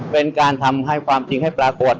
เป็นการทำให้ความจริงให้ปรากฏ